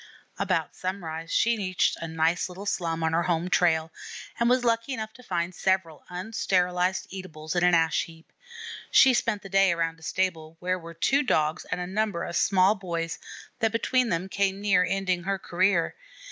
About sunrise she reached a nice little slum on her home trail, and was lucky enough to find several unsterilized eatables in an ash heap. She spent the day around a stable where were two Dogs and a number of small boys, that between them came near ending her career.